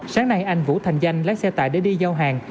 sáng nay anh vũ thành danh lái xe tải để đi giao hàng